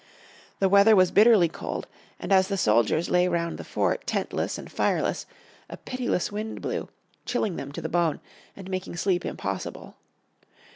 The weather was bitterly cold, and as the soldiers lay round the fort tentless and fireless, a pitiless wind blew, chilling them to the bone, and making sleep impossible.